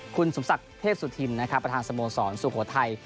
คุณสุพษักเทพสุธินประทานสโมสรสูโขทัย